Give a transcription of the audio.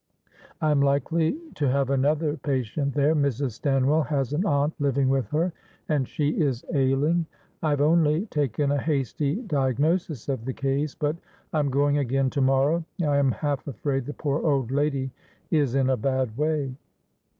I am likely to have another patient there; Mrs. Stanwell has an aunt living with her, and she is ailing. I have only taken a hasty diagnosis of the case, but I am going again to morrow. I am half afraid the poor old lady is in a bad way."